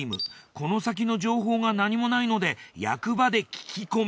この先の情報が何もないので役場で聞き込み。